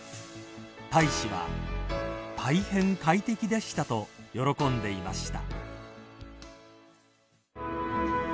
［大使は「大変快適でした」と喜んでいました］